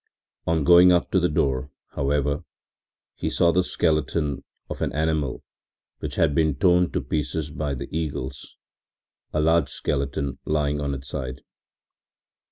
On going up to the door, however, he saw the skeleton of an animal which had been torn to pieces by the eagles, a large skeleton lying on its side.